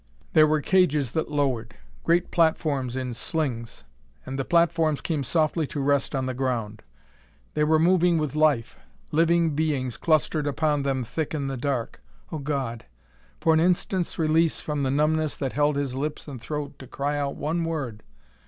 There were cages that lowered great platforms in slings and the platforms came softly to rest on the ground. They were moving with life; living beings clustered upon them thick in the dark. Oh God! for an instant's release from the numbness that held his lips and throat to cry out one word!...